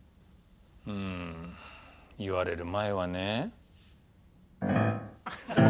うん言われる前はね。